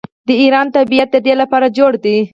د ایران طبیعت د دې لپاره جوړ دی.